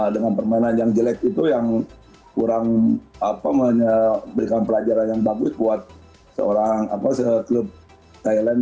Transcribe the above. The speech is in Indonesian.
dengan permainan yang jelek itu yang kurang memberikan pelajaran yang bagus buat seorang klub thailand